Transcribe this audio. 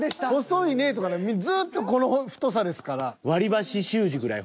「細いね」とかないずっとこの太さですから。